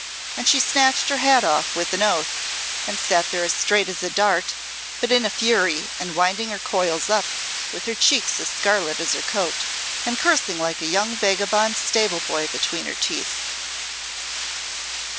And she snatched her hat off with an oath and sat there as straight as a dart, but in a fury and winding her coils up, with her cheeks as scarlet as her coat and cursing like a young vagabond stable boy between her teeth."